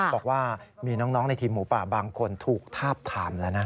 บอกว่ามีน้องในทีมหมูป่าบางคนถูกทาบถามแล้วนะ